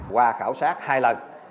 qua khảo sát hai lần